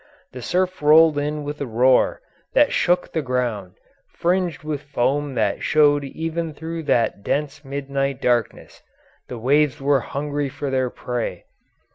The surf rolled in with a roar that shook the ground; fringed with foam that showed even through that dense midnight darkness, the waves were hungry for their prey.